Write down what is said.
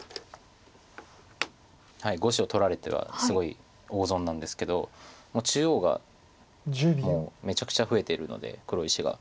５子を取られてはすごい大損なんですけど中央がもうめちゃくちゃ増えてるので黒石が。